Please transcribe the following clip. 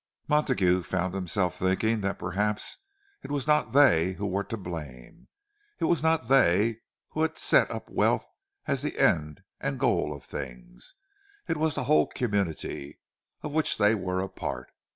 Montague found himself thinking that perhaps it was not they who were to blame. It was not they who had set up wealth as the end and goal of things—it was the whole community, of which they were a part.